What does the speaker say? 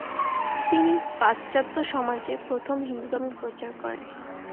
তিনি পাশ্চাত্য সমাজে প্রথম হিন্দুধর্ম প্রচার করেন।